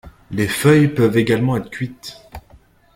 Les feuilles peuvent également être cuites.